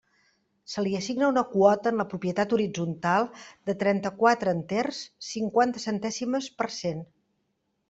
Se li assigna una quota en la propietat horitzontal de trenta-quatre enters, cinquanta centèsimes per cent.